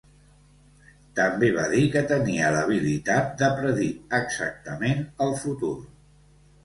També va dir que tenia l'habilitat de predir exactament el futur.